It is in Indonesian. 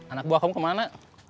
anak buah kamu kemana